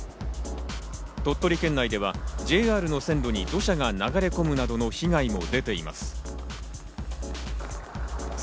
鳥取県内ではＪＲの線路に土砂が流れ込むなどの被害も出ています。